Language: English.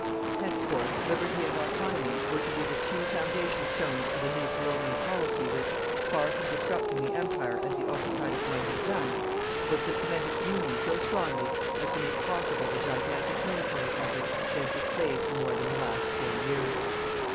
Henceforth, liberty and autonomy were to be the two foundation stones of a new colonial Policy which, far from disrupting the Empire as the autocratic one had done, was to cement its union so strongly as to make possible the gigantic military effort she has displayed for more than the last four years.